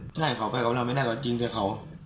ถ้าให้เขาไปกับเราไม่ได้การจริงใจเขา